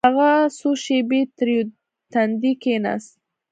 هغه څو شېبې تريو تندى کښېناست.